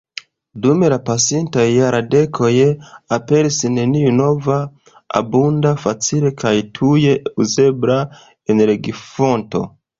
Dum la pasintaj jardekoj aperis neniu nova, abunda, facile kaj tuj uzebla energifonto.